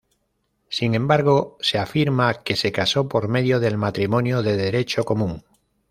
Sin embargo, se afirma que se casó por medio del matrimonio de derecho común.